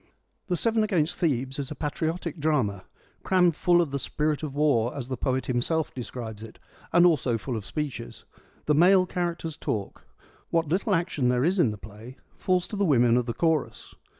The Seven against Thebes is a patriotic drama, ' crammed full of the spirit of war,' as the poet himself describes it, and also full of speeches. The male characters talk ; what little action there is in the play falls to the women of the chorus.